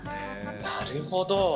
なるほど。